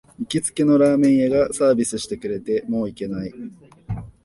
行きつけのラーメン屋がサービスしてくれて、もう行けない